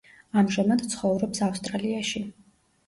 ამჟამად ცხოვრობს ავსტრალიაში.